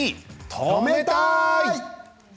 止めたい。